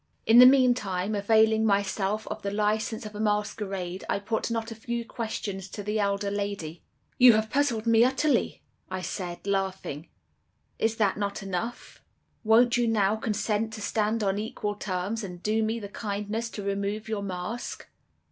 "In the meantime, availing myself of the license of a masquerade, I put not a few questions to the elder lady. "'You have puzzled me utterly,' I said, laughing. 'Is that not enough? Won't you, now, consent to stand on equal terms, and do me the kindness to remove your mask?